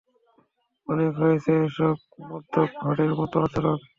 অনেক হয়েছে এসব মদ্যপ ভাঁড়ের মতো আচরণ!